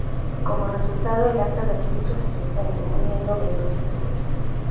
Como resultado, el acta de registro se suspende, uniendo los dos equipos.